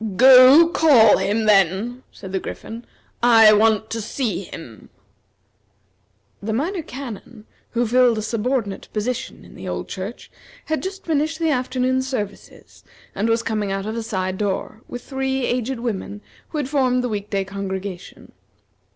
"Go, call him, then!" said the Griffin; "I want to see him." The Minor Canon, who filled a subordinate position in the old church, had just finished the afternoon services, and was coming out of a side door, with three aged women who had formed the week day congregation.